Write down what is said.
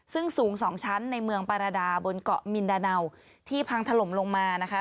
ซึ่งสูง๒ชั้นในเมืองปาราดาบนเกาะมินดาเนาที่พังถล่มลงมานะคะ